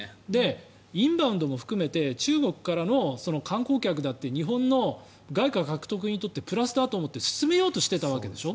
インバウンドも含めて中国からの観光客だって日本の外貨獲得にとってプラスだと思って進めようとしていたわけでしょ。